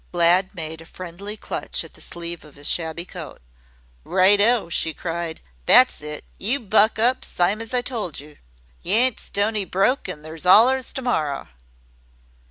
Glad made a friendly clutch at the sleeve of his shabby coat. "Right O!" she cried. "That's it! You buck up sime as I told yer. Y' ain't stony broke an' there's 'allers to morrer."